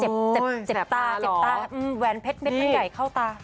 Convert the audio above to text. เจ็บเจ็บตาเจ็บตาแหวนเพชรเม็ดไม่ใหญ่เข้าตา